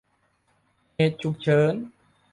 เหตุฉุกเฉิน